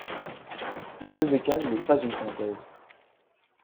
Le Yoseikan n'est pas une synthèse.